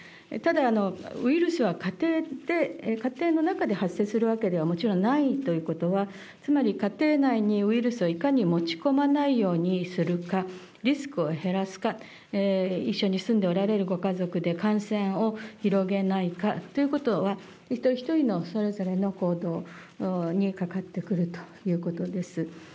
ただ、ウイルスは家庭で、家庭の中で発生するわけではもちろんないということは、つまり、家庭内にウイルスをいかに持ち込まないようにするか、リスクを減らすか、一緒に住んでおられるご家族で、感染を広げないかということは、一人一人の、それぞれの行動にかかってくるということです。